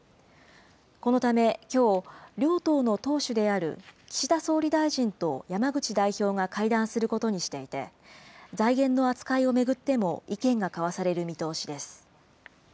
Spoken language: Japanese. このため、きょう、両党の党首である岸田総理大臣と山口代表が会談することにしていて、財源の扱いを巡っても意見が交わされる見通しです。